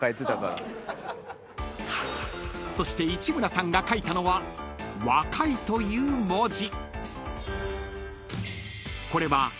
［そして市村さんが書いたのは「若い」という文字］